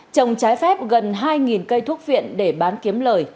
trồng trái phép gần hai cây thuốc viện để bán kiếm lời